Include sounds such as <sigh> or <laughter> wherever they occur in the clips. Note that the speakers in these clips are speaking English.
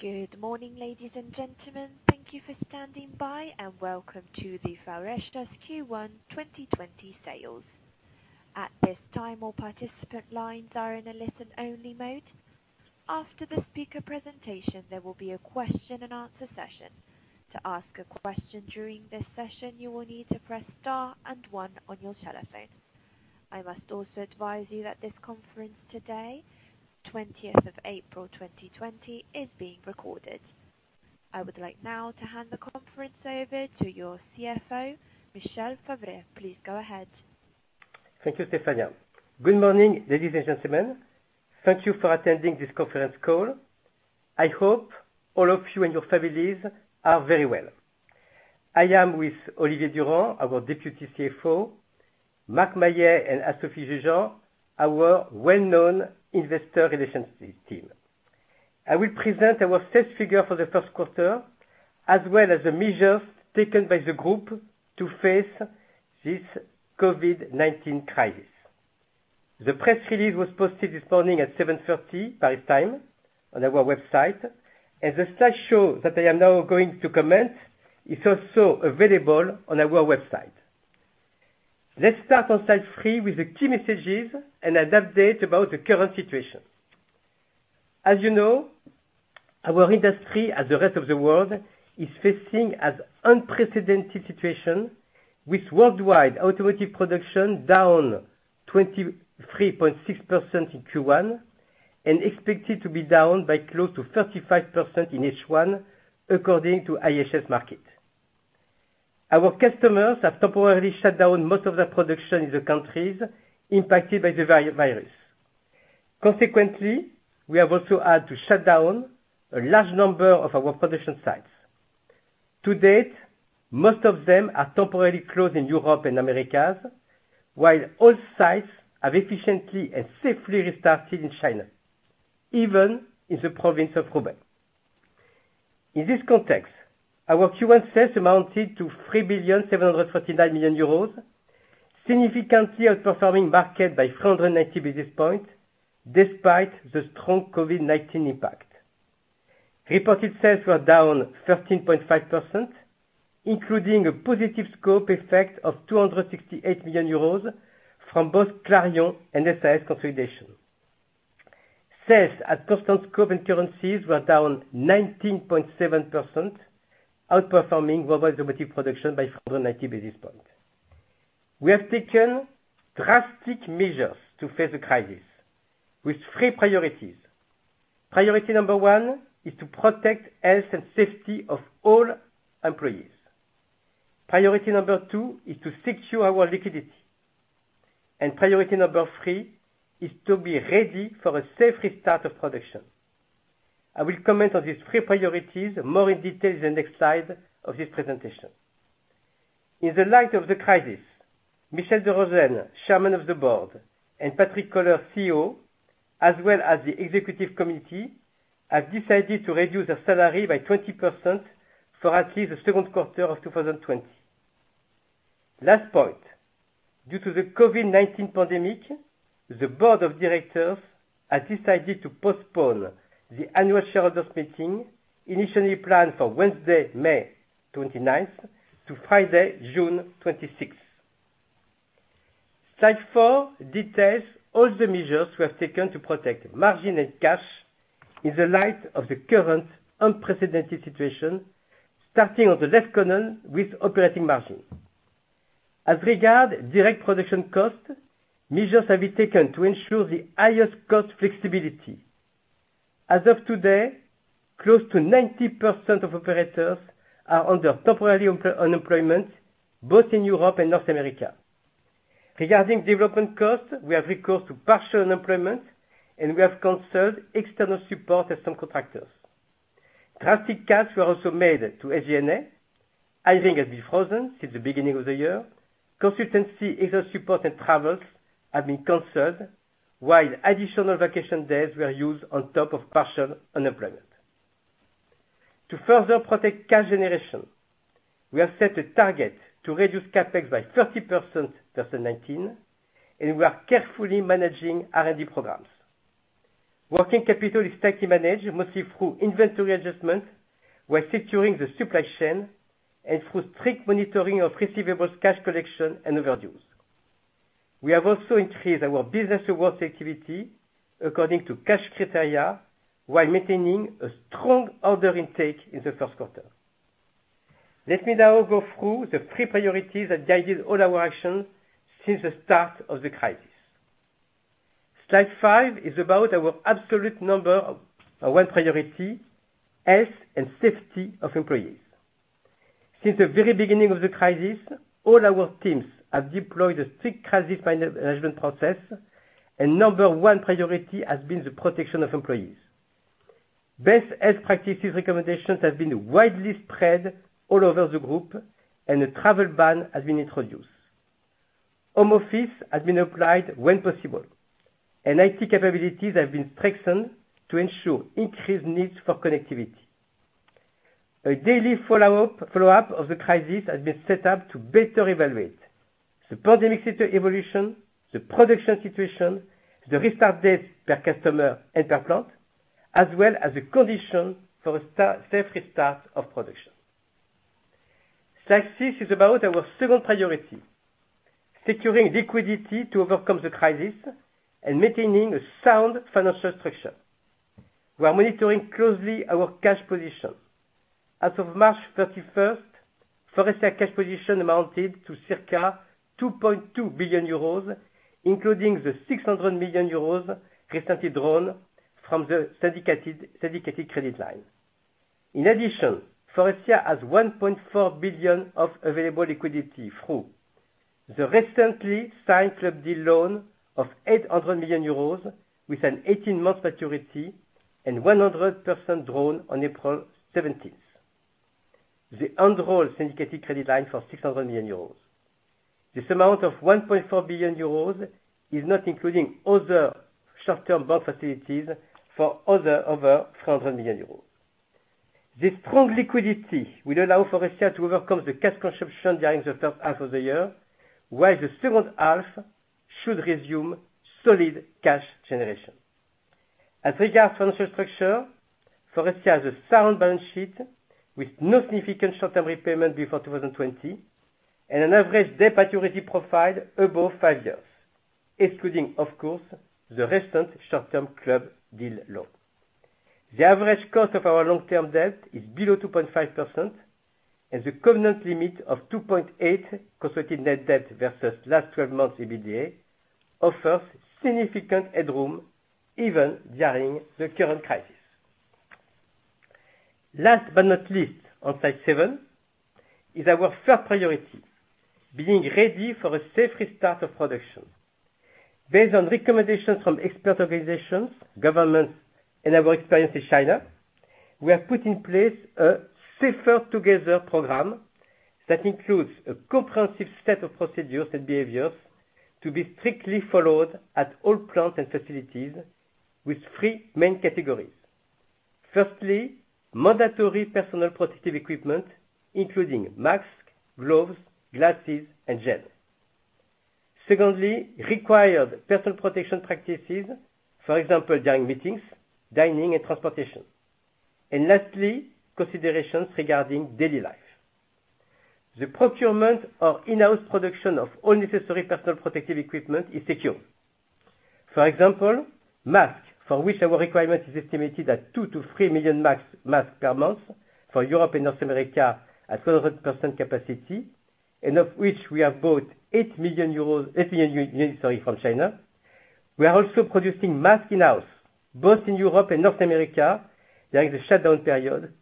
Good morning, ladies and gentlemen. Thank you for standing by, and welcome to the Faurecia Q1 2020 sales. At this time, all participant lines are in a listen-only mode. After the speaker presentation, there will be a question & answer session. To ask a question during this session, you will need to press star and one on your telephone. I must also advise you that this conference today, 20th of April 2020, is being recorded. I would like now to hand the conference over to your CFO Michel Favre. Please go ahead. Thank you, Stephanie. Good morning, ladies and gentlemen. Thank you for attending this conference call. I hope all of you and your families are very well. I am with Olivier Durand, our Deputy CFO, Marc Maillet, and Anne-Sophie Jugean, our well-known investor relationship team. I will present our sales figure for the first quarter, as well as the measures taken by the group to face this COVID-19 crisis. The press release was posted this morning at 7:30 A.M. Paris time on our website, and the slideshow that I am now going to comment is also available on our website. Let's start on slide three with the key messages and an update about the current situation. As you know, our industry, as the rest of the world, is facing an unprecedented situation, with worldwide automotive production down 23.6% in Q1 and expected to be down by close to 35% in H1, according to IHS Markit. Our customers have temporarily shut down most of their production in the countries impacted by the virus. Consequently, we have also had to shut down a large number of our production sites. To date, most of them are temporarily closed in Europe and Americas, while all sites have efficiently and safely restarted in China, even in the province of Hubei. In this context, our Q1 sales amounted to 3,739,000,000 euros, significantly outperforming market by 390 basis points despite the strong COVID-19 impact. Reported sales were down 13.5%, including a positive scope effect of 268 million euros from both Clarion and SAS consolidation. Sales at constant scope and currencies were down 19.7%, outperforming global automotive production by 390 basis points. We have taken drastic measures to face the crisis with three priorities. Priority number one is to protect health and safety of all employees. Priority number two is to secure our liquidity. Priority number three is to be ready for a safe restart of production. I will comment on these three priorities more in detail in the next slide of this presentation. In the light of the crisis, Michel de Rosen, Chairman of the Board, and Patrick Koller, CEO, as well as the executive committee, have decided to reduce their salary by 20% for at least the second quarter of 2020. Last point. Due to the COVID-19 pandemic, the board of directors has decided to postpone the annual shareholders meeting, initially planned for Wednesday, May 29th, to Friday, June 26th. Slide four details all the measures we have taken to protect margin and cash in the light of the current unprecedented situation, starting on the left column with operating margin. As regard direct production cost, measures have been taken to ensure the highest cost flexibility. As of today, close to 90% of operators are under temporary unemployment, both in Europe and North America. Regarding development costs, we have recourse to partial unemployment, and we have canceled external support and some contractors. Drastic cuts were also made to SG&A. Hiring has been frozen since the beginning of the year. Consultancy, external support, and travels have been canceled, while additional vacation days were used on top of partial unemployment. To further protect cash generation, we have set a target to reduce CapEx by 30% versus 2019, and we are carefully managing R&D programs. Working capital is tightly managed, mostly through inventory adjustment while securing the supply chain and through strict monitoring of receivables, cash collection, and overdues. We have also increased our business awards activity according to cash criteria while maintaining a strong order intake in the first quarter. Let me now go through the three priorities that guided all our actions since the start of the crisis. Slide five is about our absolute number one priority, health and safety of employees. Since the very beginning of the COVID-19 crisis, all our teams have deployed a strict crisis management process, and number one priority has been the protection of employees. Best health practices recommendations have been widely spread all over the group, and a travel ban has been introduced. Home office has been applied when possible, and IT capabilities have been strengthened to ensure increased needs for connectivity. A daily follow-up of the crisis has been set up to better evaluate the pandemic evolution, the production situation, the restart date per customer and per plant, as well as the condition for a safe restart of production. Slide six is about our second priority, securing liquidity to overcome the crisis and maintaining a sound financial structure. We are monitoring closely our cash position. As of March 31st, Faurecia cash position amounted to circa 2.2 billion euros, including the 600 million euros recently drawn from the syndicated credit line. Faurecia has 1.4 billion of available liquidity through the recently signed club deal loan of 800 million euros with an 18-month maturity and 100% drawn on April 17th. The enrolled syndicated credit line for 600 million euros. This amount of 1.4 billion euros is not including other short-term bond facilities for over 300 million euros. This strong liquidity will allow Faurecia to overcome the cash consumption during the first half of the year, while the second half should resume solid cash generation. As regards financial structure, Faurecia has a sound balance sheet with no significant short-term repayment before 2020, and an average debt maturity profile above five years, excluding of course, the recent short-term club deal loan. The average cost of our long-term debt is below 2.5%, and the covenant limit of 2.8 consolidated net debt versus last 12 months EBITDA offers significant headroom even during the current crisis. Last but not least, on slide seven is our third priority, being ready for a safe restart of production. Based on recommendations from expert organizations, governments, and our experience in China, we have put in place a SAFER TOGETHER program that includes a comprehensive set of procedures and behaviors to be strictly followed at all plants and facilities with three main categories. Firstly, mandatory personal protective equipment, including masks, gloves, glasses, and gel. Secondly, required personal protection practices. For example, during meetings, dining, and transportation. Lastly, considerations regarding daily life. The procurement or in-house production of all necessary personal protective equipment is secured. For example, masks, for which our requirement is estimated at 2 million-3 million masks per month for Europe and North America at 100% capacity, and of which we have bought 8 million euros from China. We are also producing masks in-house, both in Europe and North America during the shutdown period,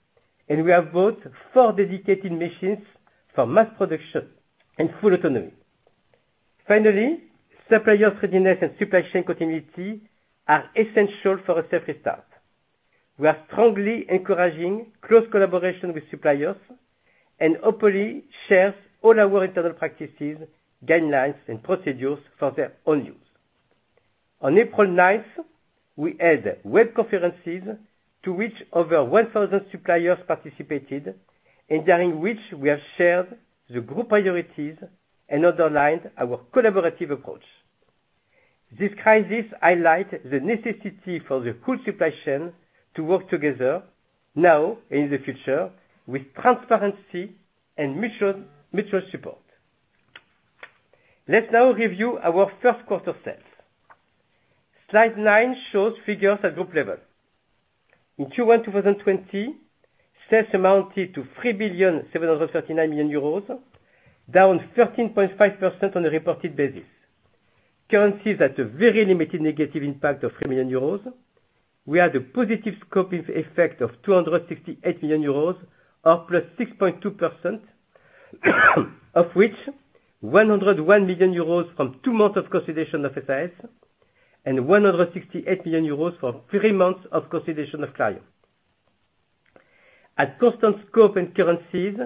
and we have bought four dedicated machines for mask production and full autonomy. Finally, supplier readiness and supply chain continuity are essential for a safe restart. We are strongly encouraging close collaboration with suppliers and openly share all our internal practices, guidelines, and procedures for their own use. On April 9th, we held web conferences to which over 1,000 suppliers participated, and during which we have shared the group priorities and underlined our collaborative approach. This crisis highlights the necessity for the full supply chain to work together now and in the future with transparency and mutual support. Let's now review our first quarter sales. Slide nine shows figures at group level. In Q1 2020, sales amounted to 3,739,000,000 euros, down 13.5% on a reported basis. Currencies had a very limited negative impact of 3 million euros. We had a positive scoping effect of 268 million euros or +6.2%, of which 101 million euros from two months of consideration of SAS and 168 million euros for three months of consideration of Clarion. At constant scope and currencies,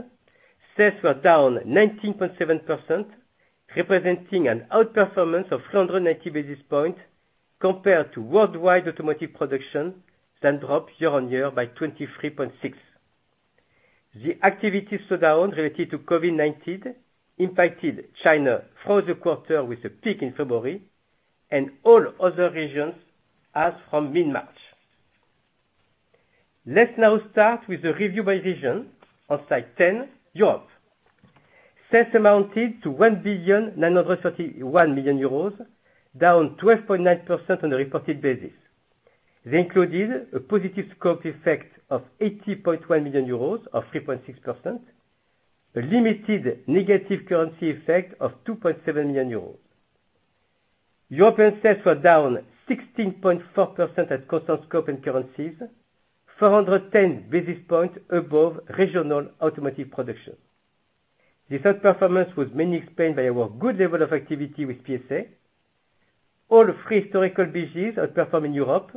sales were down 19.7%, representing an outperformance of 390 basis points compared to worldwide automotive production that dropped year-on-year by 23.6%. The activity slowdown related to COVID-19 impacted China through the quarter with a peak in February, and all other regions as from mid-March. Let's now start with the review by region on slide 10, Europe. Sales amounted to EUR 1.931 billion, down 12.9% on a reported basis. They included a positive scope effect of 80.1 million euros or 3.6%. A limited negative currency effect of 2.7 million euros. European sales were down 16.4% at constant scope and currencies, 410 basis points above regional automotive production. This outperformance was mainly explained by our good level of activity with PSA. All three historical regions outperformed in Europe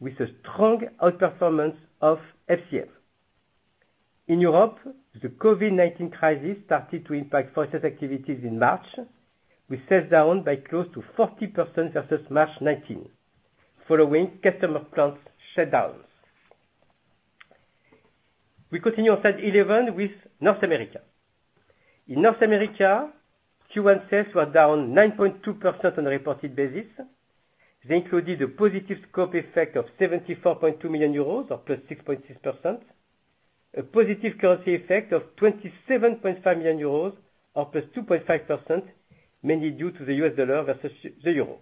with a strong outperformance of FCM. In Europe, the COVID-19 crisis started to impact Faurecia's activities in March, with sales down by close to 40% versus March 2019, following customer plant shutdowns. We continue on slide 11 with North America. In North America, Q1 sales were down 9.2% on a reported basis. They included a positive scope effect of 74.2 million euros, or +6.6%, a positive currency effect of 27.5 million euros or +2.5%, mainly due to the US dollar versus the euro.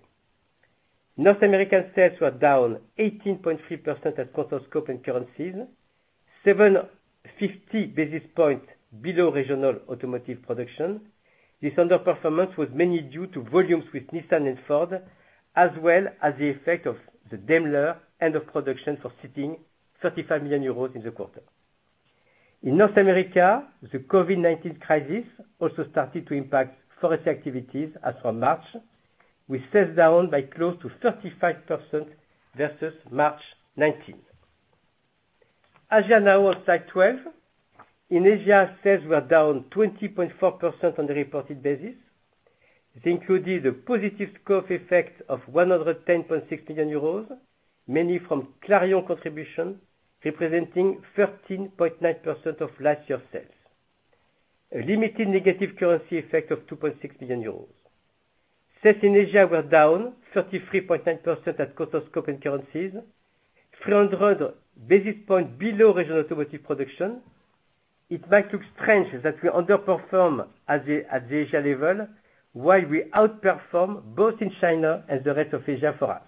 North American sales were down 18.3% at constant scope and currencies, 750 basis points below regional automotive production. This underperformance was mainly due to volumes with Nissan and Ford, as well as the effect of the Daimler end of production for Seating, 35 million euros in the quarter. In North America, the COVID-19 crisis also started to impact Faurecia activities as from March, with sales down by close to 35% versus March 2019. Asia now on slide 12. In Asia, sales were down 20.4% on the reported basis. They included a positive scope effect of 110.6 million euros, mainly from Clarion contribution, representing 13.9% of last year's sales. A limited negative currency effect of 2.6 million euros. Sales in Asia were down 33.9% at constant scope and currencies, 300 basis points below regional automotive production. It might look strange that we underperform at the Asia level while we outperform both in China and the rest of Asia for us.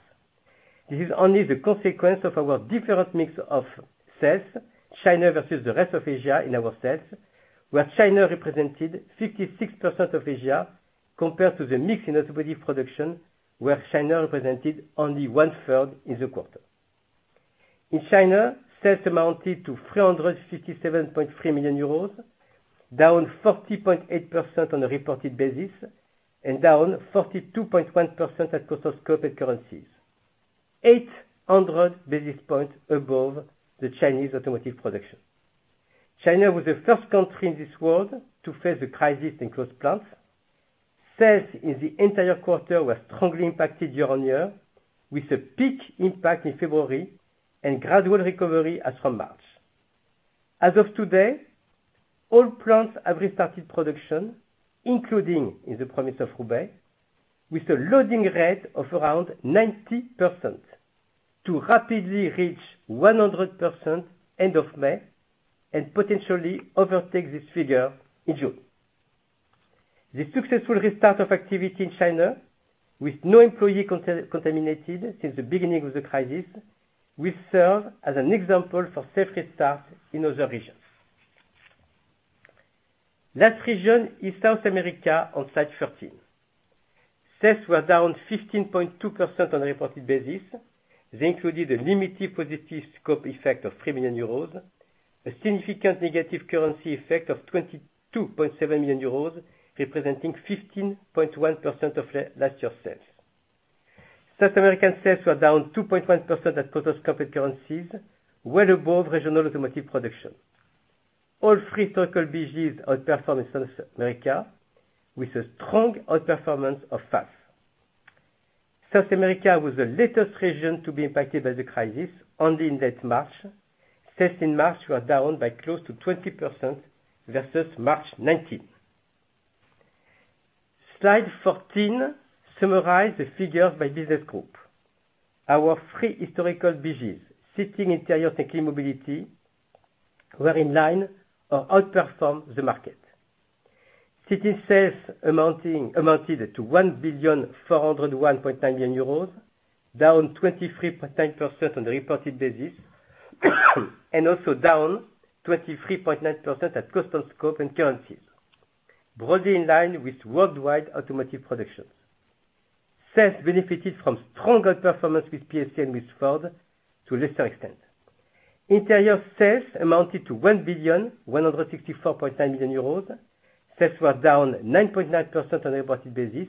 This is only the consequence of our different mix of sales, China versus the rest of Asia in our sales, where China represented 56% of Asia, compared to the mix in automotive production, where China represented only 1/3 in the quarter. In China, sales amounted to 357.3 million euros, down 40.8% on a reported basis and down 42.1% at constant scope and currencies, 800 basis points above the Chinese automotive production. China was the first country in this world to face the crisis and close plants. Sales in the entire quarter were strongly impacted year-on-year, with a peak impact in February and gradual recovery as from March. As of today, all plants have restarted production, including in the province of Hubei, with a loading rate of around 90% to rapidly reach 100% end of May and potentially overtake this figure in June. The successful restart of activity in China, with no employee contaminated since the beginning of the crisis, will serve as an example for safe restart in other regions. Last region is South America on slide 13. Sales were down 15.2% on a reported basis. They included a limited positive scope effect of 3 million euros, a significant negative currency effect of 22.7 million euros, representing 15.1% of last year's sales. South American sales were down 2.1% at constant scope and currencies, well above regional automotive production. All three historical BGs outperformed in South America with a strong outperformance of FAS. South America was the latest region to be impacted by the crisis only in late March. Sales in March were down by close to 20% versus March 2019. Slide 14 summarize the figures by business group. Our three historical BGs, Seating, Interiors, and Clean Mobility, were in line or outperform the market. Seating sales amounted to 1,401.9 million euros, down 23.9% on a reported basis and also down 23.9% at constant scope and currencies, broadly in line with worldwide automotive productions. Sales benefited from stronger performance with PSA and with Ford to a lesser extent. Interior sales amounted to 1,164.9 million euros. Sales were down 9.9% on a reported basis.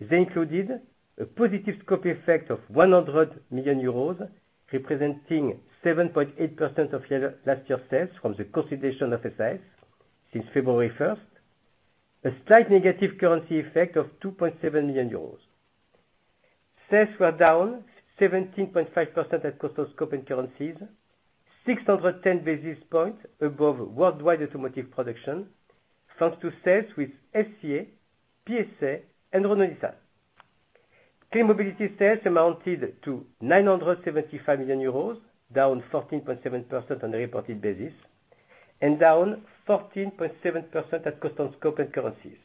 They included a positive scope effect of 100 million euros, representing 7.8% of last year's sales from the consolidation of SAS since February 1st, a slight negative currency effect of 2.7 million euros. Sales were down 17.5% at constant scope and currencies, 610 basis points above worldwide automotive production, thanks to sales with FCA, PSA, and Renault-Nissan. Clean Mobility sales amounted to 975 million euros, down 14.7% on a reported basis and down 14.7% at constant scope and currencies,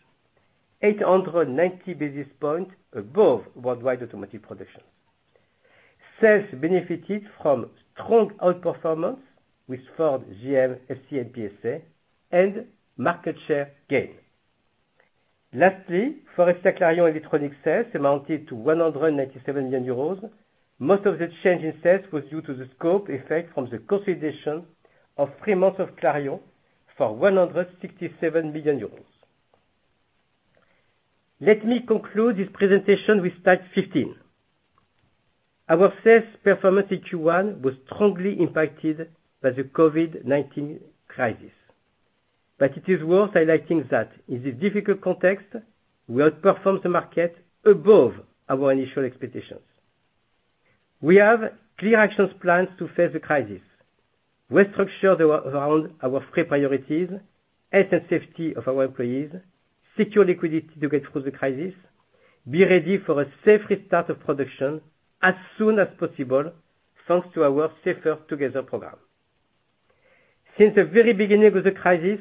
890 basis points above worldwide automotive production. Sales benefited from strong outperformance with Ford, GM, FCA, and PSA, and market share gain. Lastly, Faurecia Clarion Electronics sales amounted to 197 million euros. Most of the change in sales was due to the scope effect from the consolidation of three months of Clarion for 167 million euros. Let me conclude this presentation with slide 15. Our sales performance in Q1 was strongly impacted by the COVID-19 crisis. It is worth highlighting that in this difficult context, we outperformed the market above our initial expectations. We have clear action plans to face the crisis. Restructured around our three priorities, health and safety of our employees, secure liquidity to get through the crisis, be ready for a safe restart of production as soon as possible thanks to our SAFER TOGETHER program. Since the very beginning of the crisis,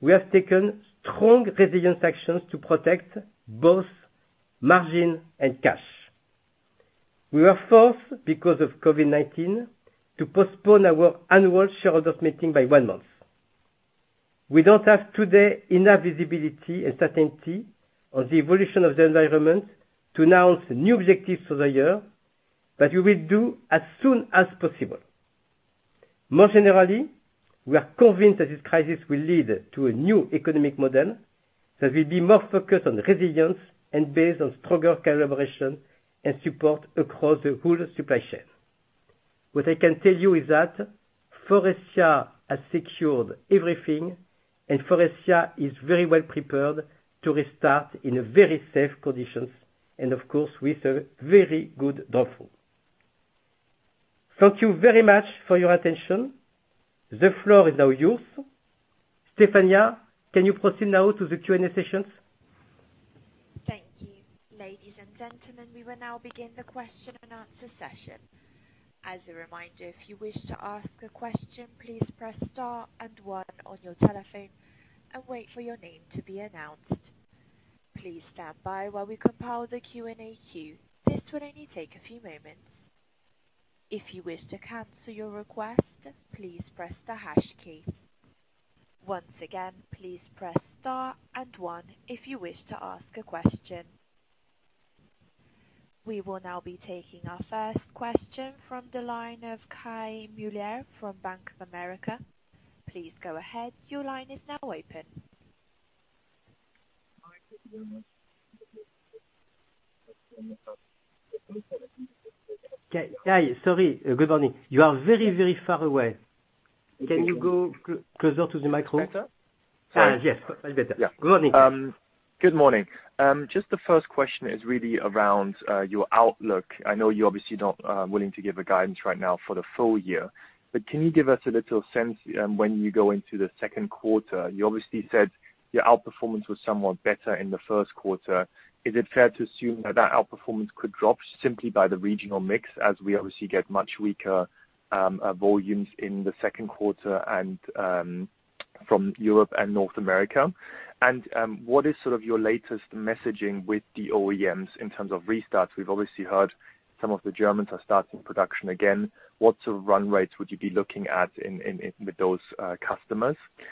we have taken strong resilience actions to protect both margin and cash. We were forced, because of COVID-19, to postpone our annual shareholders meeting by one month. We don't have today enough visibility and certainty on the evolution of the environment to announce new objectives for the year, but we will do as soon as possible. Most generally, we are convinced that this crisis will lead to a new economic model that will be more focused on resilience and based on stronger collaboration and support across the whole supply chain. What I can tell you is that Faurecia has secured everything, and Faurecia is very well prepared to restart in very safe conditions, and of course, with a very good downfall. Thank you very much for your attention. The floor is now yours. Stefania, can you proceed now to the Q&A sessions? Thank you. Ladies and gentlemen, we will now begin the question and answer session. As a reminder, if you wish to ask a question, please press star and one on your telephone and wait for your name to be announced. Please stand by while we compile the Q&A queue. This will only take a few moments. If you wish to cancel your request, please press the hash key. Once again, please press star and one if you wish to ask a question. We will now be taking our first question from the line of Kai Mueller from Bank of America. Please go ahead. Your line is now open. Kai, sorry. Good morning. You are very far away. Can you go closer to the microphone? Better? Yes, much better. Good morning. Good morning. Just the first question is really around your outlook. I know you're obviously not willing to give a guidance right now for the full year, but can you give us a little sense when you go into the second quarter? You obviously said your outperformance was somewhat better in the first quarter. Is it fair to assume that outperformance could drop simply by the regional mix as we obviously get much weaker volumes in the second quarter and from Europe and North America? What is sort of your latest messaging with the OEMs in terms of restarts? We've obviously heard some of the Germans are starting production again. What sort of run rates would you be looking at with those customers? The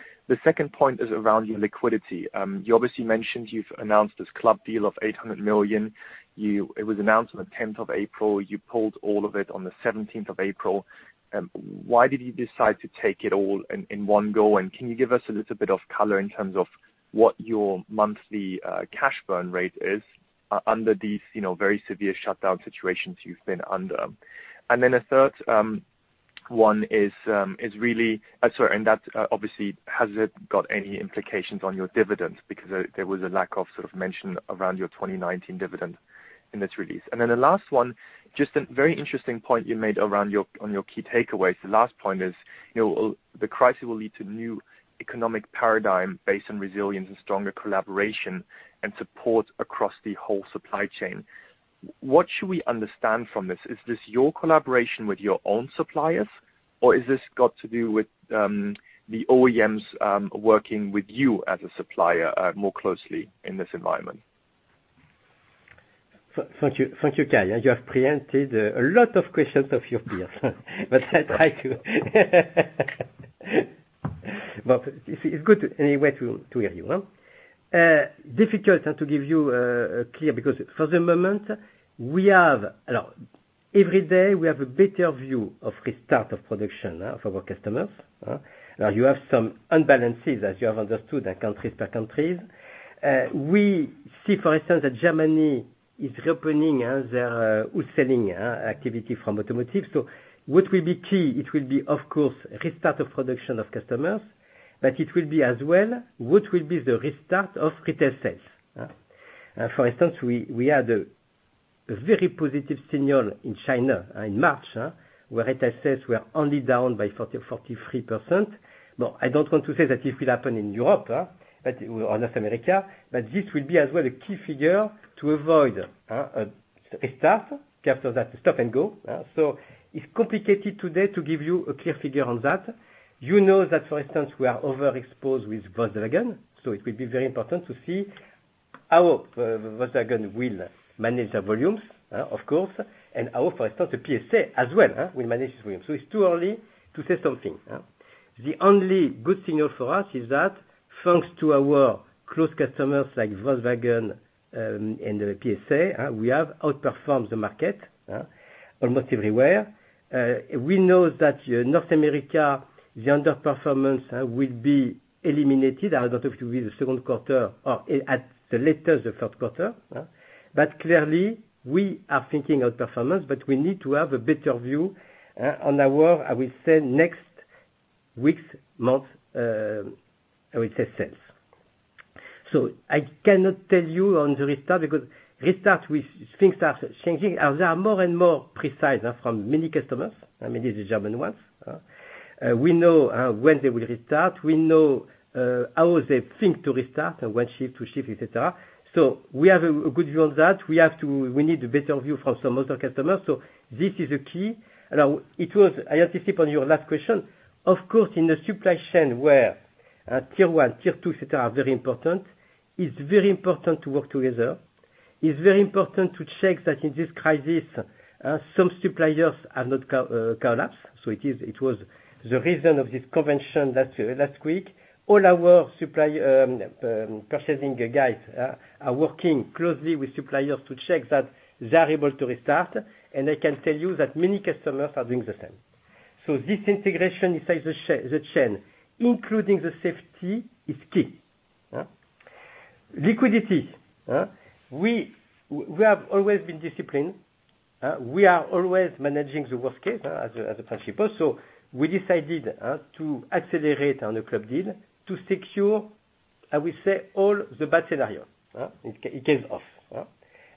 second point is around your liquidity. You obviously mentioned you've announced this club deal of 800 million. It was announced on the 10th of April. You pulled all of it on the 17th of April. Why did you decide to take it all in one go? Can you give us a little bit of color in terms of what your monthly cash burn rate is under these very severe shutdown situations you've been under? A third one is really Oh, sorry, that, obviously, has it got any implications on your dividends? There was a lack of sort of mention around your 2019 dividend in this release. The last one, just a very interesting point you made on your key takeaways. The last point is, the crisis will lead to new economic paradigm based on resilience and stronger collaboration and support across the whole supply chain. What should we understand from this? Is this your collaboration with your own suppliers, or has this got to do with the OEMs working with you as a supplier more closely in this environment? Thank you, Kai. You have preempted a lot of questions of your peers. It's good anyway to hear you. Difficult to give you clear, because for the moment, every day we have a better view of restart of production of our customers. You have some unbalances, as you have understood, countries per countries. We see, for instance, that Germany is reopening their wholesaling activity from automotive. What will be key? It will be, of course, restart of production of customers, but it will be as well what will be the restart of retail sales. For instance, we had a very positive signal in China in March, where retail sales were only down by 43%. I don't want to say that it will happen in Europe or North America, but this will be as well a key figure to avoid a stop after that stop and go. It's complicated today to give you a clear figure on that. You know that, for instance, we are overexposed with Volkswagen, so it will be very important to see how Volkswagen will manage their volumes, of course, and how, for instance, the PSA as well will manage its volumes. It's too early to say something. The only good signal for us is that thanks to our close customers like Volkswagen and PSA, we have outperformed the market almost everywhere. We know that North America, the underperformance will be eliminated. I don't know if it will be the second quarter or at the latest the third quarter. Clearly, we are thinking outperformance, but we need to have a better view on our, I will say, next week's, month's, I will say, sales. I cannot tell you on the restart because restart with things that are changing, as they are more and more precise from many customers, many of the German ones. We know when they will restart. We know how they think to restart and when shift to shift, et cetera. We have a good view on that. We need a better view from some other customers. This is a key. I anticipate on your last question, of course, in the supply chain where Tier 1, Tier 2, et cetera, are very important, it's very important to work together. It's very important to check that in this crisis, some suppliers have not collapsed. It was the reason of this convention last week. All our purchasing guys are working closely with suppliers to check that they are able to restart, I can tell you that many customers are doing the same. This integration inside the chain, including the safety, is key. Liquidity. We have always been disciplined. We are always managing the worst case as a principle. We decided to accelerate on a club deal to secure, I would say, all the bad scenario. It pays off.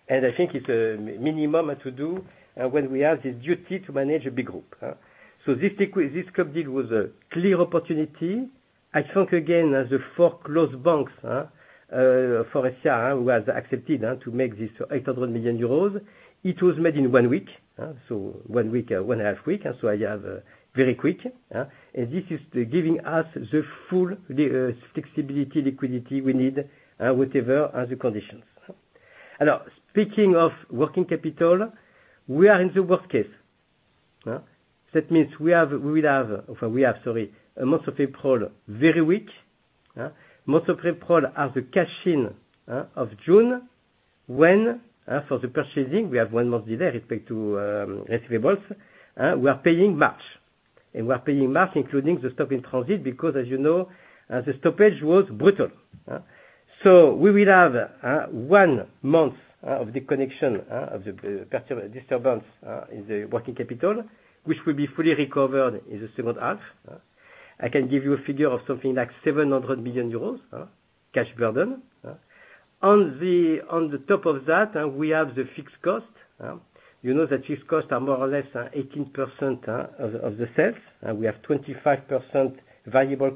I think it's a minimum to do when we have this duty to manage a big group. This club deal was a clear opportunity. I thank again the four close banks for, <audio distortion> who has accepted to make this 800 million euros. It was made in one week. One week, one half week. Very quick. This is giving us the full flexibility, liquidity we need, whatever are the conditions. Now, speaking of working capital, we are in the worst case. That means we are month of April, very weak. Month of April are the cash in of June, when for the purchasing, we have one month delay respect to receivables. We are paying March, and we are paying March, including the stock in transit, because as you know, the stoppage was brutal. We will have one month of the connection of the disturbance in the working capital, which will be fully recovered in the second half. I can give you a figure of something like 700 million euros cash burden. On the top of that, we have the fixed cost. You know that fixed cost are more or less 18% of the sales. We have 75% variable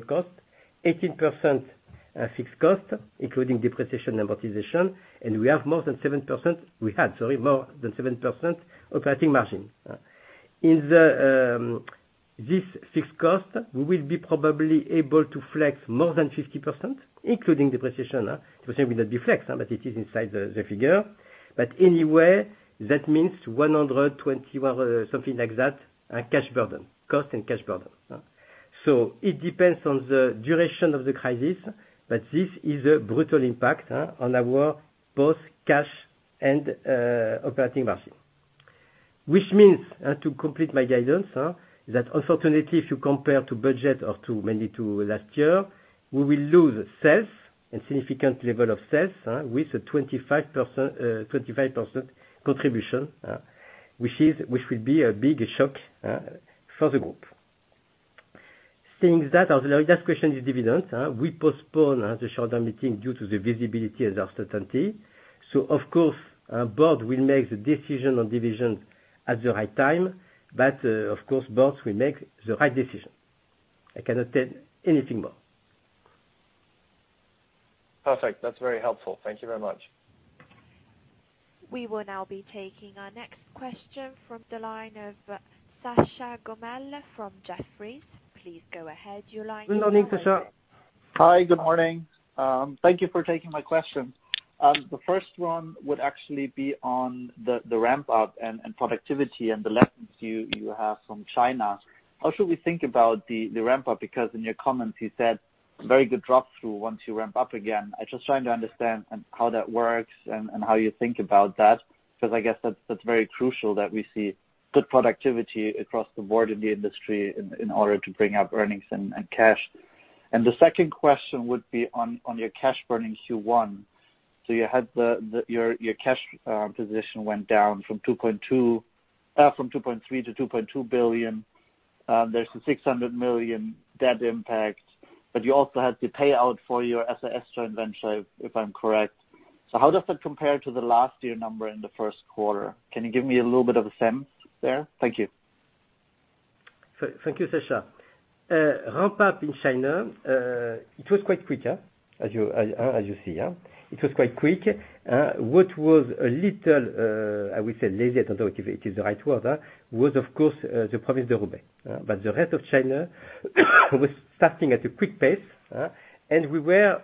cost, 18% fixed cost, including depreciation amortization. We had more than 7% operating margin. In this fixed cost, we will be probably able to flex more than 50%, including depreciation. Depreciation will not be flexed, but it is inside the figure. Anyway, that means 120, something like that, cash burden, cost and cash burden. It depends on the duration of the crisis. This is a brutal impact on our both cash and operating margin, which means to complete my guidance, that unfortunately, if you compare to budget or mainly to last year, we will lose sales and significant level of sales with a 25% contribution, which will be a big shock for the group. Seeing that, the last question is dividend. We postpone the shareholder meeting due to the visibility and uncertainty. Of course, board will make the decision on dividend at the right time. Of course, board will make the right decision. I cannot tell anything more. Perfect. That's very helpful. Thank you very much. We will now be taking our next question from the line of Sascha Gommel from Jefferies. Please go ahead. Your line is open. Good morning, Sascha. Hi, good morning. Thank you for taking my questions. The first one would actually be on the ramp-up and productivity and the lessons you have from China. How should we think about the ramp-up? In your comments, you said very good drop through once you ramp up again. I'm just trying to understand how that works and how you think about that, because I guess that's very crucial that we see good productivity across the board in the industry in order to bring up earnings and cash. The second question would be on your cash burn in Q1. Your cash position went down from 2.3 billion to 2.2 billion. There's a 600 million debt impact, but you also had the payout for your SAS joint venture, if I'm correct. How does that compare to the last year number in the first quarter? Can you give me a little bit of a sense there? Thank you. Thank you, Sascha. Ramp-up in China, it was quite quick, as you see. It was quite quick. What was a little, I would say lazy, I don't know if it is the right word, was, of course, the province Hubei. The rest of China was starting at a quick pace, and we were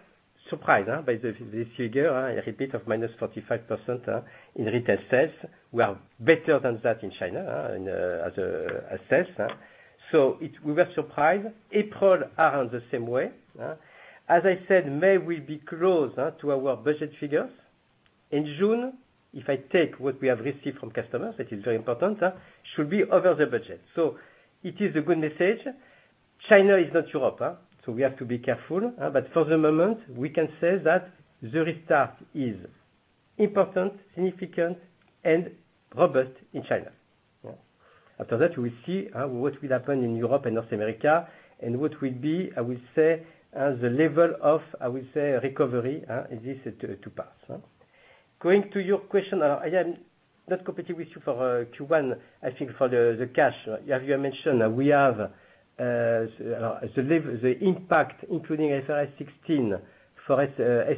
surprised by this figure, a bit of -45% in retail sales. We are better than that in China as a sales. We were surprised. April are the same way. As I said, May will be close to our budget figures. In June, if I take what we have received from customers, that is very important, should be over the budget. It is a good message. China is not Europe, we have to be careful. For the moment, we can say that the restart is important, significant, and robust in China. After that, we see what will happen in Europe and North America, and what will be, I will say, the level of recovery existing to pass. Going to your question, I am not competing with you for Q1. I think for the cash, as you have mentioned, we have the impact, including IFRS 16 for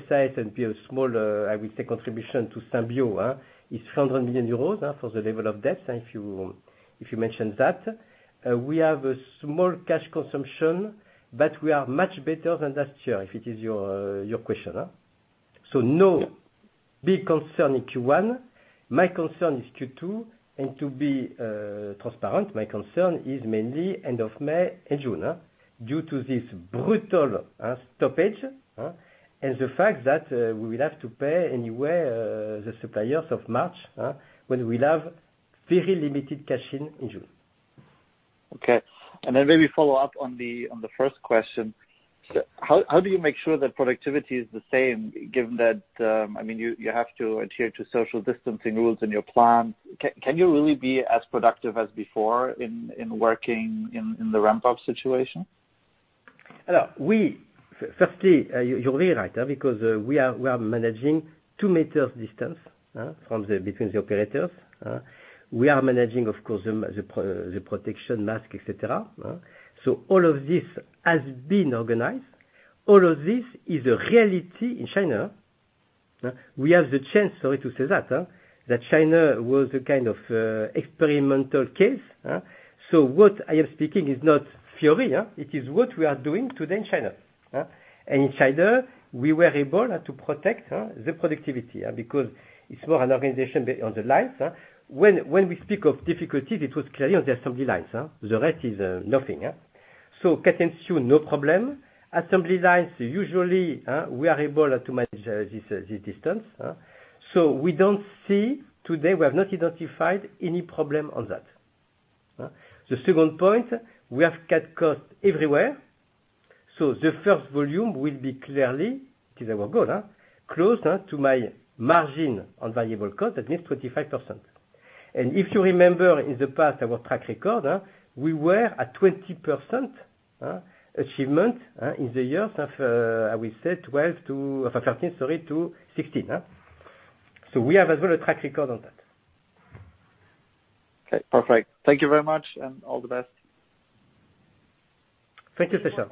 Seating and be a small, I would say, contribution to Symbio, is 100 million euros for the level of debt, if you mentioned that. We have a small cash consumption, but we are much better than last year, if it is your question. No big concern in Q1. My concern is Q2, and to be transparent, my concern is mainly end of May and June, due to this brutal stoppage. The fact that we will have to pay anyway the suppliers of March, when we will have very limited cash in in June. Okay. Maybe follow up on the first question. How do you make sure that productivity is the same given that you have to adhere to social distancing rules in your plant? Can you really be as productive as before in working in the ramp-up situation? You're right, because we are managing 2 m distance between the operators. We are managing, of course, the protection mask, et cetera. All of this has been organized. All of this is a reality in China. We have the chance, sorry to say that China was a kind of experimental case. What I am speaking is not theory. It is what we are doing today in China. In China, we were able to protect the productivity, because it's more an organization on the lines. When we speak of difficulties, it was clearly on the assembly lines. The rest is nothing. Cut and sew, no problem. Assembly lines, usually, we are able to manage this distance. We don't see today, we have not identified any problem on that. The second point, we have cut costs everywhere. The first volume will be clearly, it is our goal, close to my margin on variable cost, that means 25%. If you remember in the past, our track record, we were at 20% achievement in the years of, I will say, 2012 to 2013, sorry, to 2016. We have as well a track record on that. Okay, perfect. Thank you very much, and all the best. Thank you, Sascha.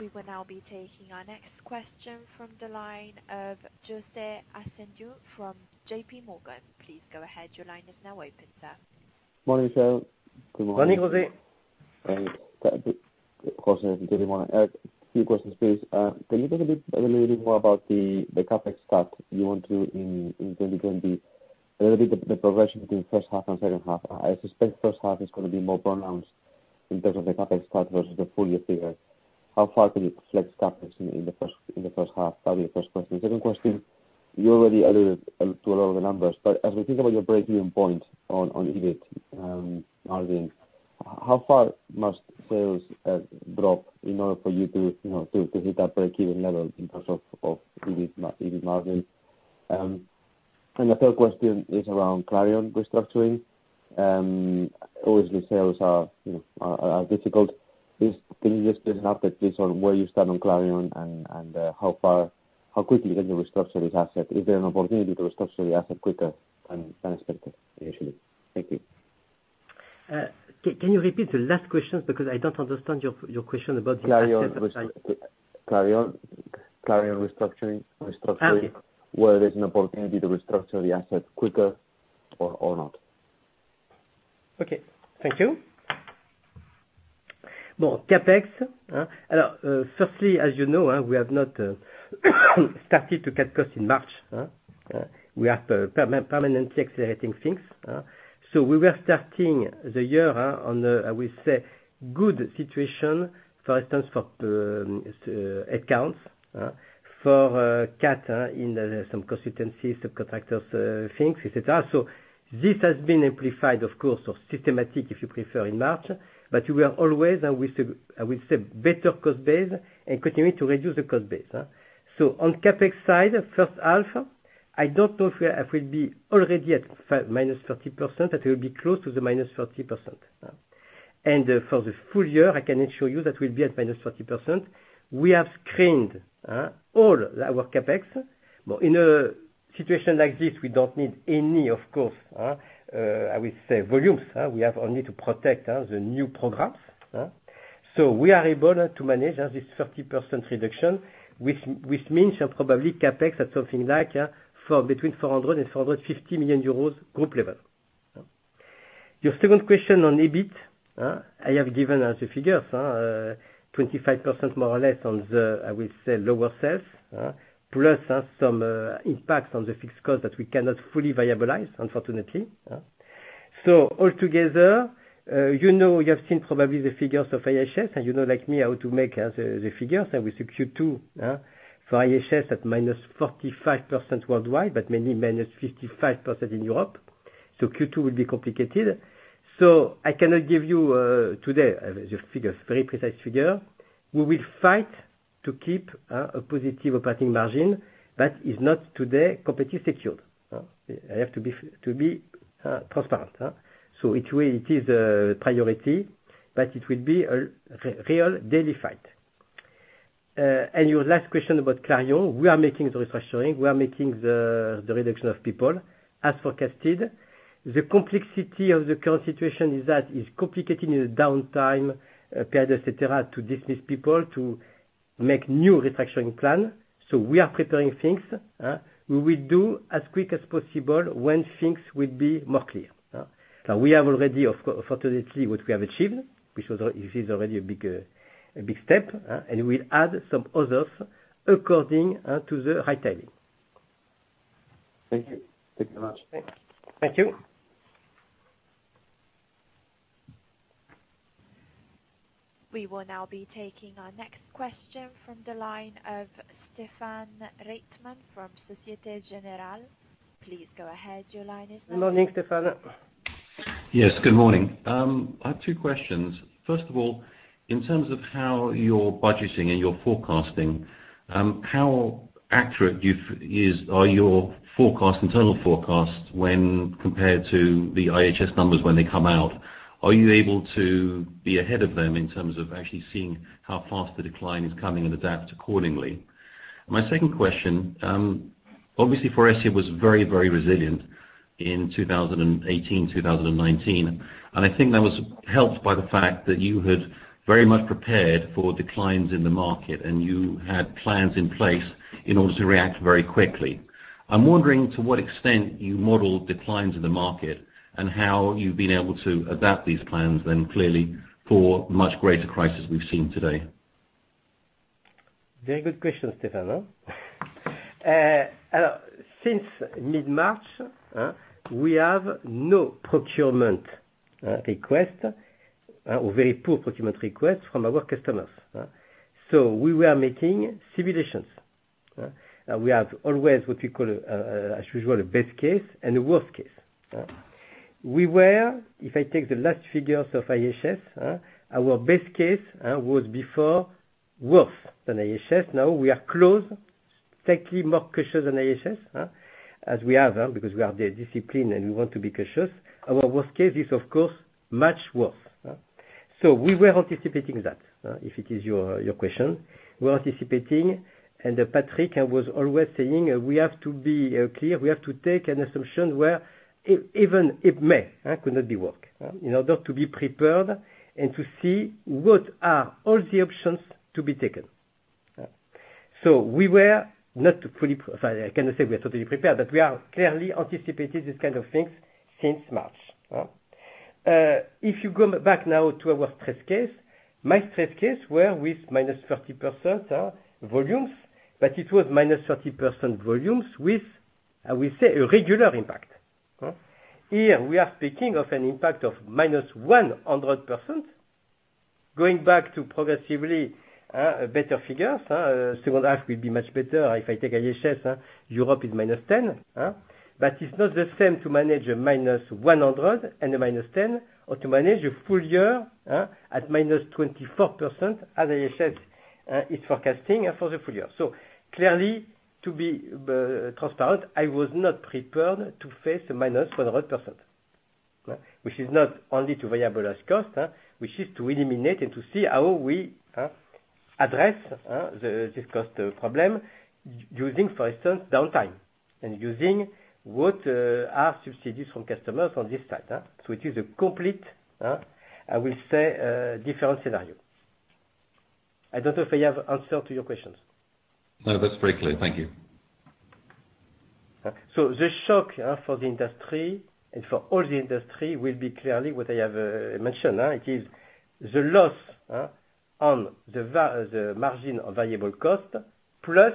We will now be taking our next question from the line of José Asumendi from JPMorgan. Please go ahead. Your line is now open, sir. Morning, Sir. Good morning. Morning, José. José with JPMorgan. A few questions, please. Can you tell me a little bit more about the CapEx cut in 2020? A little bit the progression between first half and second half. I suspect first half is going to be more pronounced in terms of the CapEx cut versus the full year figure. How far can you flex CapEx in the first half? That will be the first question. Second question, you already alluded to a lot of the numbers, but as we think about your breakeven point on EBIT margin, how far must sales drop in order for you to hit that breakeven level in terms of EBIT margin? The third question is around Clarion restructuring. Obviously, sales are difficult. Can you just give us an update please on where you stand on Clarion and how quickly can you restructure this asset? Is there an opportunity to restructure the asset quicker than expected, initially? Thank you. Can you repeat the last question, because I don't understand your question about the asset. Clarion restructuring. Okay whether there's an opportunity to restructure the asset quicker or not. Okay. Thank you. CapEx. Firstly, as you know, we have not started to cut costs in March. We are permanently accelerating things. We were starting the year on a, I will say, good situation, for instance, for headcounts, for cut in some consistencies, subcontractors things, et cetera. This has been amplified, of course, or systematic, if you prefer, in March, but we are always with better cost base and continue to reduce the cost base. On CapEx side, first half, I don't know if we will be already at -30%, but it will be close to the -30%. For the full year, I can ensure you that we'll be at -30%. We have screened all our CapEx. In a situation like this, we don't need any, of course, I will say, volumes. We have only to protect the new programs. We are able to manage this 30% reduction, which means probably CapEx at something like between 400 million and 450 million euros group level. Your second question on EBIT. I have given the figures, 25% more or less on the, I will say, lower sales. Plus some impacts on the fixed cost that we cannot fully viabilize, unfortunately. Altogether, you have seen probably the figures of IHS, and you know like me how to make the figures. We secure two for IHS at -45% worldwide, but mainly -55% in Europe. Q2 will be complicated. I cannot give you today the figures, very precise figure. We will fight to keep a positive operating margin that is not today completely secured. I have to be transparent. It is a priority, but it will be a real daily fight. Your last question about Clarion, we are making the restructuring, we are making the reduction of people as forecasted. The complexity of the current situation is that it's complicating the downtime period, et cetera, to dismiss people to make new restructuring plan. We are preparing things. We will do as quick as possible when things will be more clear. We have already fortunately what we have achieved, which is already a big step, and we'll add some others according to the high timing. Thank you. Thank you very much. Thank you. We will now be taking our next question from the line of Stephen Reitman from Societe Generale. Please go ahead. Your line is open. Good morning, Stephen. Yes, good morning. I have two questions. First of all, in terms of how you're budgeting and you're forecasting, how accurate are your internal forecasts when compared to the IHS numbers when they come out? Are you able to be ahead of them in terms of actually seeing how fast the decline is coming and adapt accordingly? My second question, obviously Faurecia was very resilient in 2018, 2019, and I think that was helped by the fact that you had very much prepared for declines in the market, and you had plans in place in order to react very quickly. I'm wondering to what extent you modeled declines in the market and how you've been able to adapt these plans then clearly for much greater crisis we've seen today. Very good question, Stephen. Since mid-March, we have no procurement request or very poor procurement request from our customers. We were making simulations. We have always what we call, as usual, a base case and a worst case. We were, if I take the last figures of IHS, our base case was before worse than IHS. Now we are close, slightly more cautious than IHS, as we are, because we are discipline and we want to be cautious. Our worst case is of course much worse. We were anticipating that, if it is your question. We were anticipating, and Patrick was always saying, "We have to be clear. We have to take an assumption where even if May could not be work, in order to be prepared and to see what are all the options to be taken. I cannot say we are totally prepared, but we are clearly anticipating these kind of things since March. If you go back now to our stress case, my stress case were with -30% volumes, but it was -30% volumes with, I will say, a regular impact. Here we are speaking of an impact of -100%, going back to progressively better figures. Second half will be much better. If I take IHS, Europe is -10%. It's not the same to manage a -100% and a -10%, or to manage a full year at -24%, as IHS is forecasting for the full year. Clearly, to be transparent, I was not prepared to face a -100%, which is not only to variable as cost, which is to eliminate and to see how we address this cost problem using, for instance, downtime and using what are subsidies from customers on this side. It is a complete, I will say, different scenario. I don't know if I have answered to your questions. No, that's very clear. Thank you. The shock for the industry and for all the industry will be clearly what I have mentioned. It is the loss on the margin variable cost, plus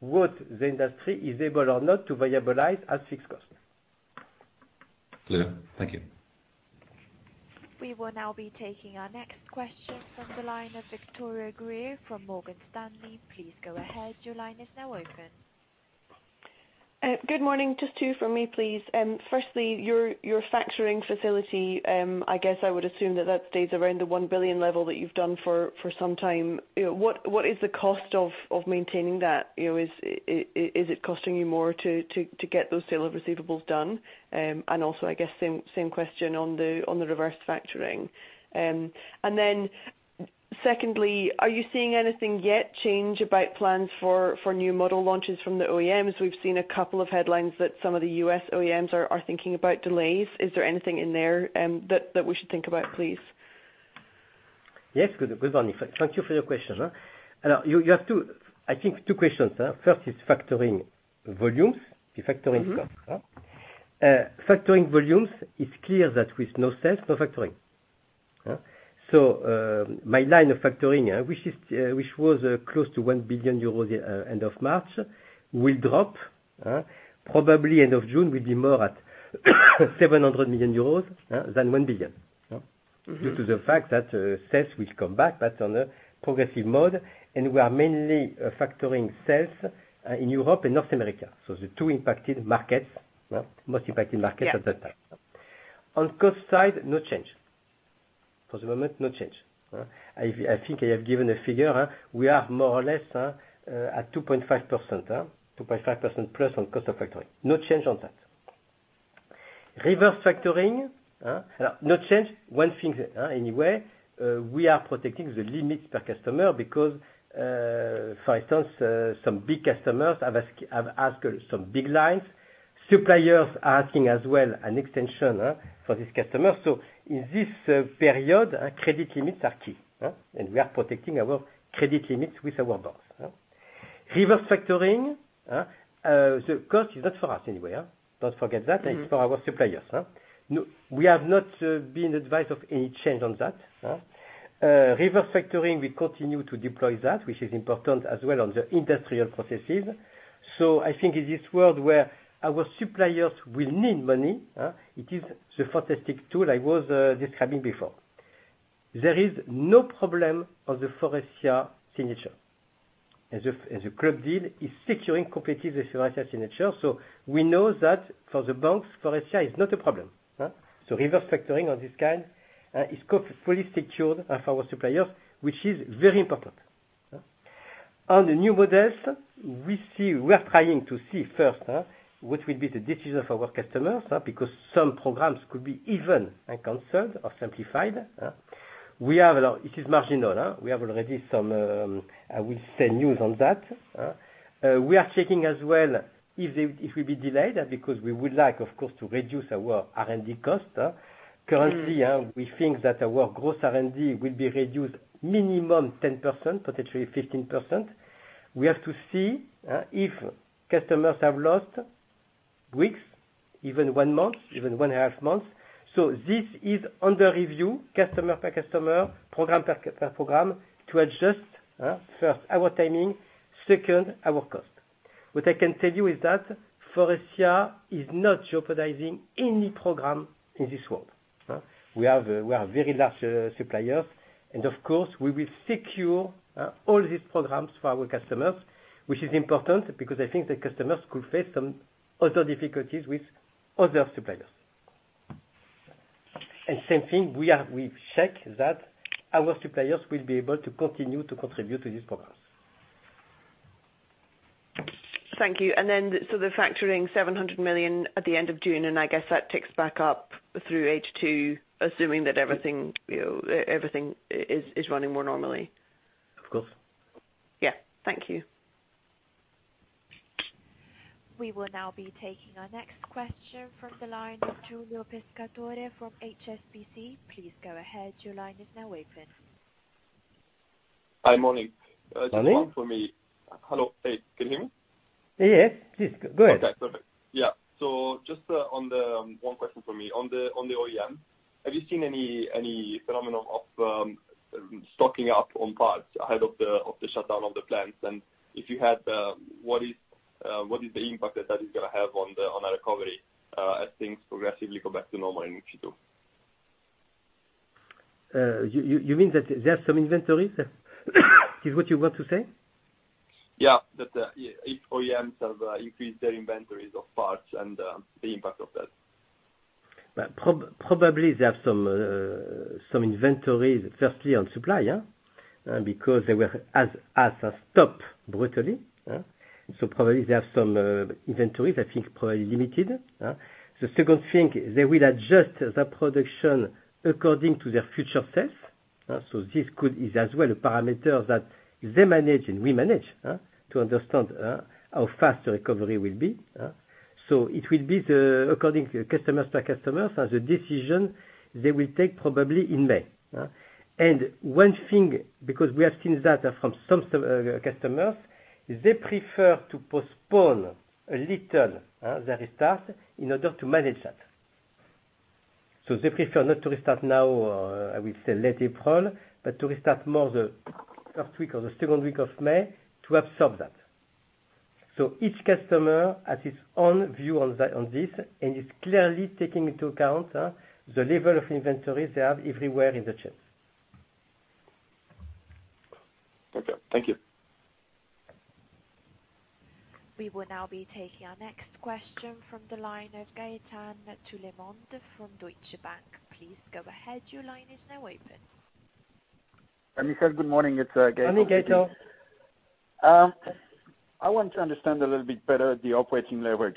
what the industry is able or not to variabilize at fixed cost. Clear. Thank you. We will now be taking our next question from the line of Victoria Greer from Morgan Stanley. Please go ahead. Your line is now open. Good morning. Just two from me, please. Firstly, your factoring facility, I guess I would assume that stays around the 1 billion level that you've done for some time. What is the cost of maintaining that? Is it costing you more to get those sale of receivables done? Also, I guess same question on the reverse factoring. Then secondly, are you seeing anything yet change about plans for new model launches from the OEMs? We've seen a couple of headlines that some of the U.S. OEMs are thinking about delays. Is there anything in there that we should think about, please? Yes. Good morning. Thank you for your question. You have, I think, two questions. First is factoring volumes. Factoring volumes, it's clear that with no sales, no factoring. My line of factoring, which was close to 1 billion euros the end of March, will drop. Probably end of June will be more at 700 million euros than 1 billion. Due to the fact that sales will come back, but on a progressive mode. We are mainly factoring sales in Europe and North America. The two impacted markets, most impacted markets at that time. Yeah. On cost side, no change. For the moment, no change. I think I have given a figure. We are more or less at 2.5%. 2.5% plus on cost of factory. No change on that. Reverse factoring. No change. One thing, anyway, we are protecting the limits per customer because, for instance, some big customers have asked some big lines. Suppliers are asking as well an extension for this customer. In this period, credit limits are key. We are protecting our credit limits with our banks. Reverse factoring, the cost is not for us anyway. Don't forget that it's for our suppliers. We have not been advised of any change on that. Reverse factoring, we continue to deploy that, which is important as well on the industrial processes. I think in this world where our suppliers will need money, it is the fantastic tool I was describing before. There is no problem on the Faurecia signature, as the club deal is securing competitively the Faurecia signature. We know that for the banks, Faurecia is not a problem. reverse factoring of this kind is fully secured for our suppliers, which is very important. On the new models, we are trying to see first what will be the decision of our customers, because some programs could be even canceled or simplified. It is marginal. We have already some, I will say, news on that. We are checking as well if it will be delayed, because we would like, of course, to reduce our R&D cost. Currently, we think that our growth R&D will be reduced minimum 10%, potentially 15%. We have to see if customers have lost weeks, even one month, even one and a half months. This is under review, customer by customer, program by program, to adjust, first, our timing, second, our cost. What I can tell you is that Faurecia is not jeopardizing any program in this world. We are a very large supplier, and of course, we will secure all these programs for our customers, which is important because I think the customers could face some other difficulties with other suppliers. Same thing, we check that our suppliers will be able to continue to contribute to these programs. Thank you. The factoring 700 million at the end of June, and I guess that ticks back up through H2, assuming that everything is running more normally. Of course. Yeah. Thank you. We will now be taking our next question from the line of Giulio Pescatore from HSBC. Please go ahead, your line is now open. Hi, morning. Morning. Just one for me. Hello. Hey, can you hear me? Yes, please. Go ahead. Okay, perfect. Yeah. Just one question for me. On the OEM, have you seen any phenomenon of stocking up on parts ahead of the shutdown of the plants? If you have, what is the impact that that is going to have on a recovery as things progressively go back to normal in Q2? You mean that there are some inventories is what you want to say? Yeah. If OEMs have increased their inventories of parts and the impact of that. Probably, they have some inventories, firstly, on supply. Because they were stopped brutally. Probably they have some inventories, I think probably limited. The second thing, they will adjust their production according to their future sales. This could is as well a parameter that they manage and we manage, to understand how fast the recovery will be. It will be according to customer by customer as a decision they will take probably in May. One thing, because we have seen that from some customers, they prefer to postpone a little their restart in order to manage that. They prefer not to restart now, I will say late April, but to restart more the first week or the second week of May to absorb that. Each customer has its own view on this and is clearly taking into account the level of inventories they have everywhere in the chain. Okay. Thank you. We will now be taking our next question from the line of Gaetan Toulemonde from Deutsche Bank. Please go ahead, your line is now open. Good morning. It's Gaetan. Morning, Gaetan. I want to understand a little bit better the operating leverage.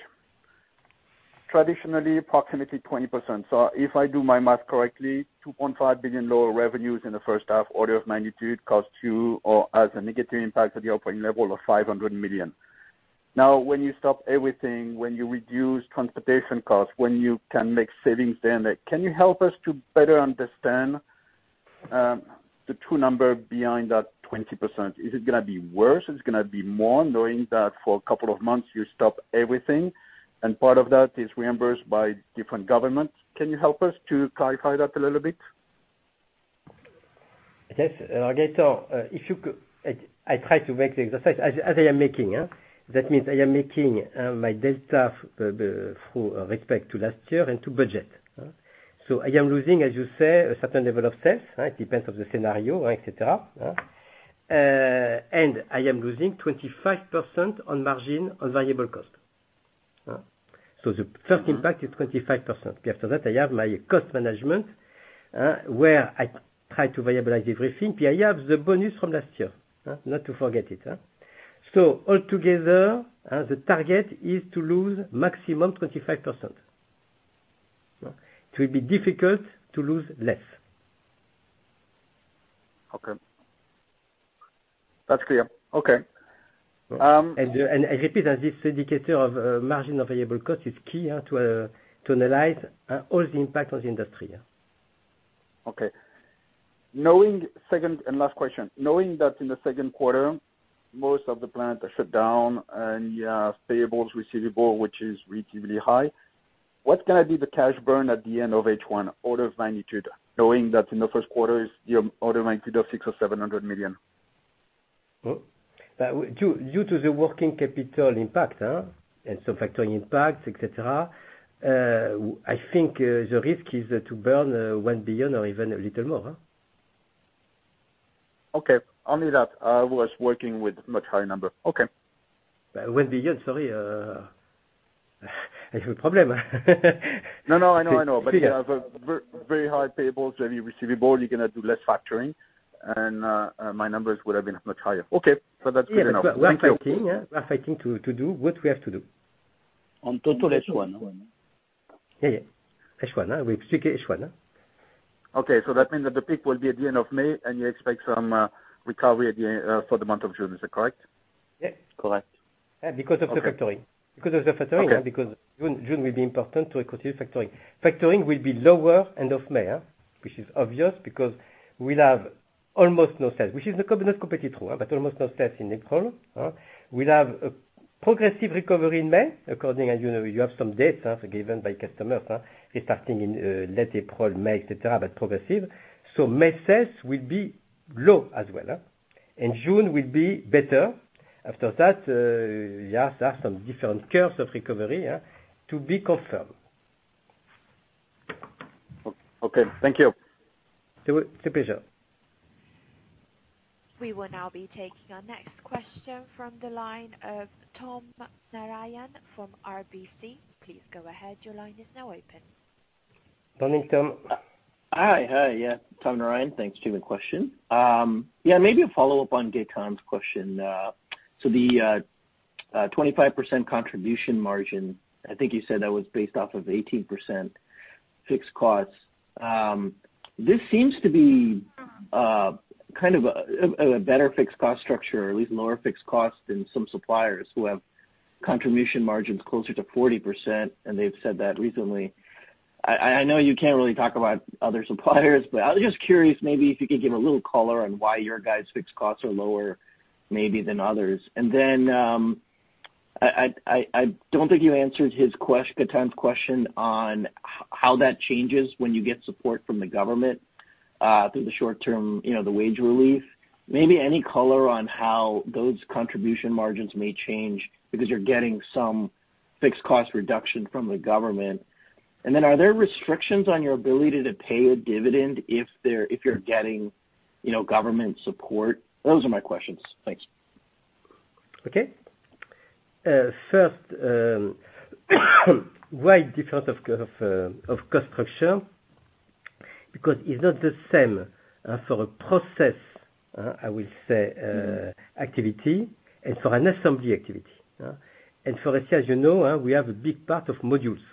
Traditionally, approximately 20%. If I do my math correctly, 2.5 billion lower revenues in the first half, order of magnitude costs you or has a negative impact on the operating level of 500 million. When you stop everything, when you reduce transportation costs, when you can make savings there, can you help us to better understand the true number behind that 20%? Is it going to be worse? Is it going to be more, knowing that for a couple of months you stop everything and part of that is reimbursed by different governments? Can you help us to clarify that a little bit? Yes. Gaetan, I try to make the exercise as I am making. That means I am making my delta through respect to last year and to budget. I am losing, as you say, a certain level of sales, depends on the scenario, et cetera. I am losing 25% on margin on variable cost. The first impact is 25%. After that, I have my cost management, where I try to variabilize everything. I have the bonus from last year. Not to forget it. Altogether, the target is to lose maximum 25%. It will be difficult to lose less. Okay. That's clear. Okay. I repeat that this indicator of margin of variable cost is key to analyze all the impact on the industry. Okay. Second and last question. Knowing that in the second quarter, most of the plants are shut down and you have payables, receivables, which is reasonably high, what is going to be the cash burn at the end of H1, order of magnitude? Knowing that in the first quarter is your order of magnitude of 600 million or 700 million. Due to the working capital impact, and some factoring impacts, et cetera, I think the risk is to burn 1 billion or even a little more. Okay. Only that. I was working with much higher number. Okay. 1 billion, sorry. A problem. No, I know, but you have a very high payables, very receivable. You're going to do less factoring, and my numbers would have been much higher. Okay, that's good enough. Thank you. We are fighting to do what we have to do. On total H1. Yeah. H1. We speak H1. Okay. That means that the peak will be at the end of May, and you expect some recovery for the month of June. Is that correct? Yes, correct. Because of the factoring. Okay. Because June will be important to recover factoring. Factoring will be lower end of May. Which is obvious because we'll have almost no sales, which is not completely true, but almost no sales in April. We'll have a progressive recovery in May, according as you know, you have some dates given by customers, starting in late April, May, et cetera, but progressive. May sales will be low as well. June will be better. After that, there are some different curves of recovery to be confirmed. Okay. Thank you. It's a pleasure. We will now be taking our next question from the line of Tom Narayan from RBC. Please go ahead. Your line is now open. Morning, Tom. Hi. Yeah. Tom Narayan. Thanks, a question. Maybe a follow-up on Gaetan's question. The 25% contribution margin, I think you said that was based off of 18% fixed costs. This seems to be kind of a better fixed cost structure, or at least lower fixed cost than some suppliers who have contribution margins closer to 40%, and they've said that recently. I know you can't really talk about other suppliers, I was just curious, maybe if you could give a little color on why your guys' fixed costs are lower maybe than others. I don't think you answered Gaetan's question on how that changes when you get support from the government through the short term, the wage relief. Maybe any color on how those contribution margins may change because you're getting some fixed cost reduction from the government. Are there restrictions on your ability to pay a dividend if you're getting government support? Those are my questions. Thanks. Okay. First, why different of cost structure? It's not the same for a process, I will say, activity and for an assembly activity. Faurecia, as you know, we have a big part of modules.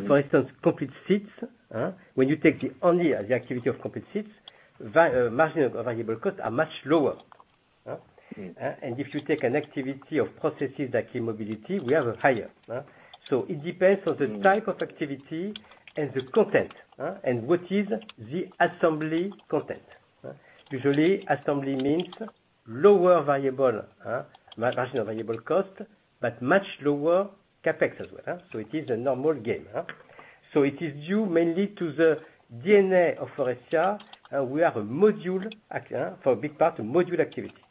For instance, cockpit seats, when you take only the activity of cockpit seats, margin of variable costs are much lower. If you take an activity of processes like e-mobility, we are higher. It depends on the type of activity and the content. What is the assembly content? Usually, assembly means lower margin of variable cost, but much lower CapEx as well. It is a normal game. It is due mainly to the DNA of Faurecia. We are a module, for a big part, a module activity.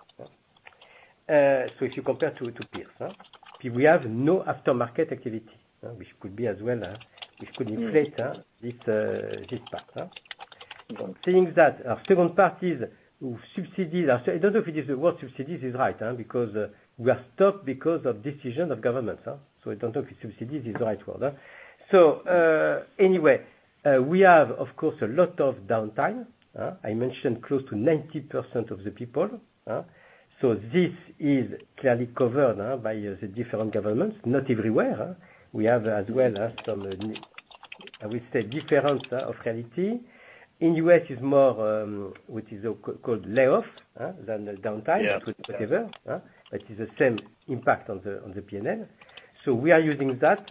If you compare to peers. We have no aftermarket activity, which could be as well, which could inflate this part. Seeing that our third parties who subsidies, I don't know if the word subsidies is right, because we are stuck because of decision of governments. I don't know if subsidies is the right word. Anyway, we have, of course, a lot of downtime. I mentioned close to 90% of the people. This is clearly covered by the different governments, not everywhere. We have as well some, I would say, difference of reality. In U.S. is more what is called lay-off than downtime. Yeah. Whatever. That is the same impact on the P&L. We are using that.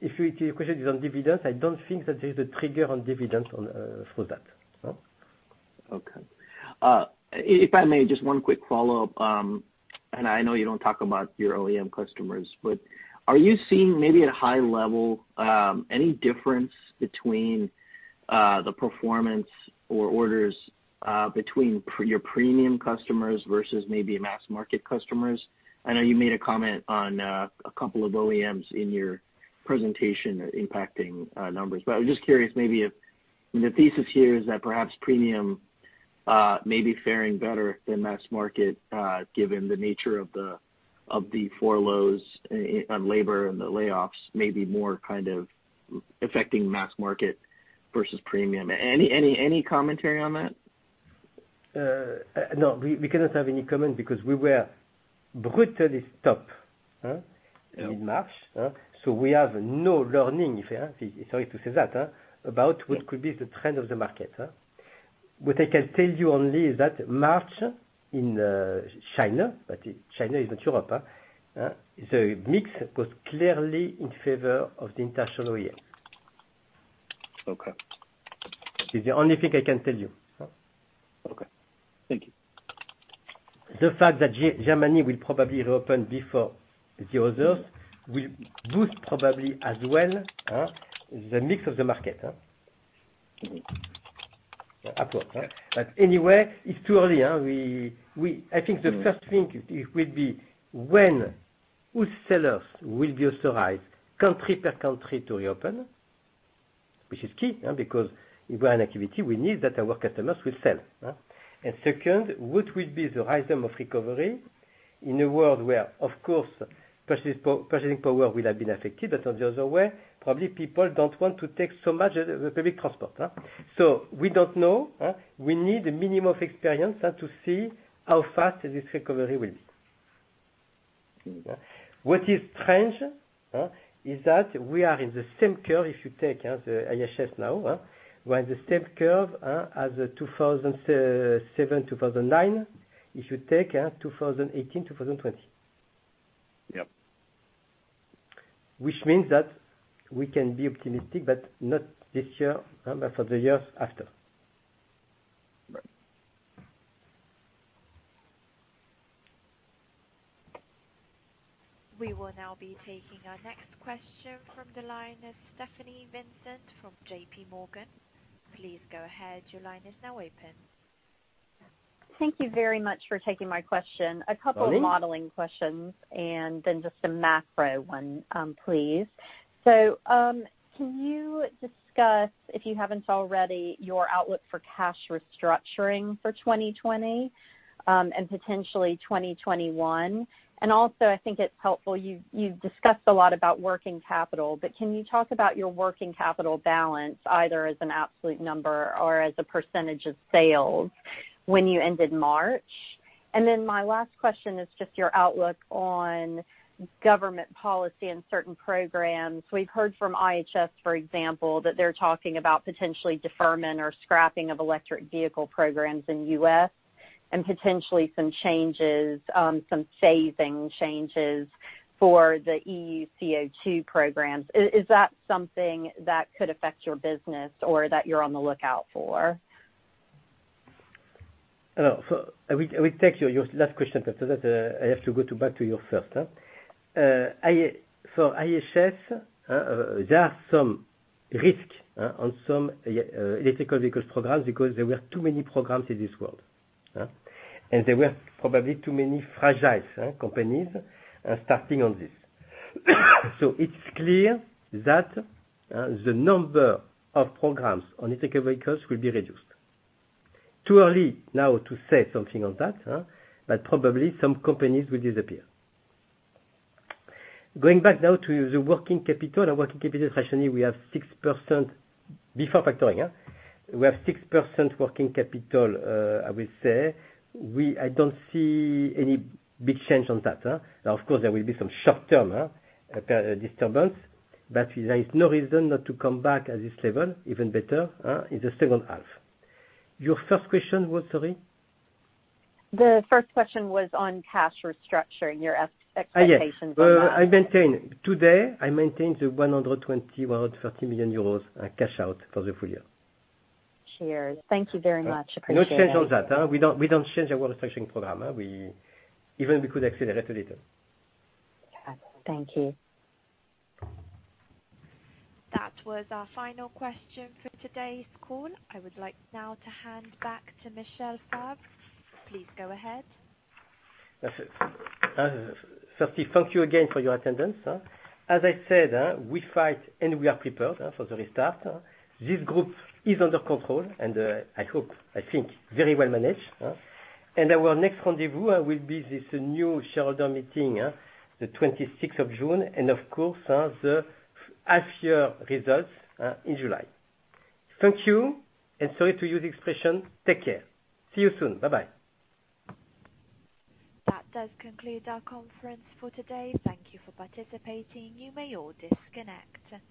If your question is on dividend, I don't think that there's a trigger on dividend for that. Okay. If I may, just one quick follow-up, and I know you don't talk about your OEM customers, but are you seeing maybe at a high level, any difference between the performance or orders between your premium customers versus maybe mass market customers? I know you made a comment on a couple of OEMs in your presentation impacting numbers, but I'm just curious, maybe if the thesis here is that perhaps premium may be faring better than mass market, given the nature of the furloughs on labor and the layoffs may be more kind of affecting mass market versus premium. Any commentary on that? No. We cannot have any comment because we were brutally stopped in March. We have no learning, sorry to say that, about what could be the trend of the market. What I can tell you only is that March in China, but China is not Europe, the mix was clearly in favor of the international OEM. Okay. It's the only thing I can tell you. Okay. Thank you. The fact that Germany will probably reopen before the others will boost probably as well the mix of the market. Okay. Anyway, it's too early. I think the first thing will be when, whose sellers will be authorized country per country to reopen, which is key because if we are an activity, we need that our customers will sell. Second, what will be the rhythm of recovery in a world where, of course, purchasing power will have been affected, but on the other way, probably people don't want to take so much of the public transport. We don't know. We need a minimum of experience to see how fast this recovery will be. What is strange, is that we are in the same curve as you take the IHS now. We are in the same curve as the 2007, 2009. If you take 2018, 2020. Yep. Which means that we can be optimistic, but not this year, but for the years after. Right. We will now be taking our next question from the line of Stephanie Vincent from JPMorgan. Please go ahead. Your line is now open. Thank you very much for taking my question. Hello. A couple of modeling questions and then just a macro one, please. Can you discuss, if you haven't already, your outlook for cash restructuring for 2020, and potentially 2021? I think it's helpful, you've discussed a lot about working capital, but can you talk about your working capital balance either as an absolute number or as a percentage of sales when you ended March? My last question is just your outlook on government policy and certain programs. We've heard from IHS, for example, that they're talking about potentially deferment or scrapping of electric vehicle programs in U.S. and potentially some phasing changes for the EU CO2 programs. Is that something that could affect your business or that you're on the lookout for? I will take your last question first. I have to go back to your first. For IHS, there are some risk on some electric vehicles programs because there were too many programs in this world. There were probably too many fragile companies starting on this. It's clear that the number of programs on electric vehicles will be reduced. Too early now to say something on that. Probably some companies will disappear. Going back now to the working capital. Our working capital, traditionally, before factoring, we have 6% working capital, I will say. I don't see any big change on that. Now, of course, there will be some short-term disturbance, but there is no reason not to come back at this level, even better, in the second half. Your first question was, sorry? The first question was on cash restructuring, your expectations on that. Yes. Today, I maintain the 120 million-130 million euros cash out for the full year. Cheers. Thank you very much. Appreciate it. No change on that. We don't change our restructuring program. Even we could accelerate a little. Okay. Thank you. That was our final question for today's call. I would like now to hand back to Michel Favre. Please go ahead. First, thank you again for your attendance. As I said, we fight, and we are prepared for the restart. This group is under control and I think very well managed. Our next rendezvous will be this new shareholder meeting, the 26th of June, and of course, the half year results in July. Thank you, and sorry to use expression, take care. See you soon. Bye-bye. That does conclude our conference for today. Thank you for participating. You may all disconnect.